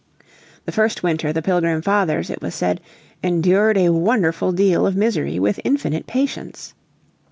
The first winter the Pilgrim Fathers, it was said, "endured a wonderful deal of misery with infinite patience."